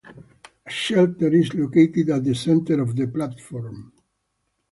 A shelter is located at the center of the platform.